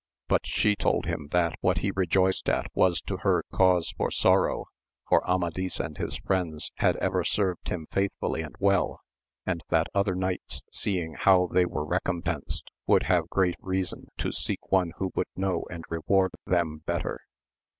But she told him that what he rejoiced at was to her cause for sorrow, for Amadis and his friends had ever served him faithfully and well ; and that other knights seeing how they were recompensed would have great reason to seek one who would know and reward them better.